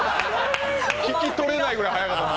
聞き取れないぐらい早かった。